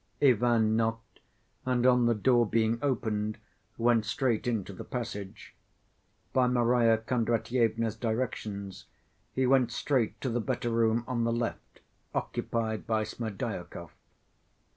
Ivan knocked, and, on the door being opened, went straight into the passage. By Marya Kondratyevna's directions he went straight to the better room on the left, occupied by Smerdyakov.